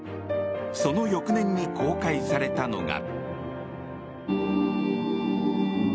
その翌年に公開されたのが。